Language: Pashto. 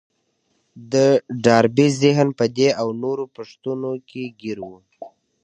د ډاربي ذهن په دې او نورو پوښتنو کې ګير و.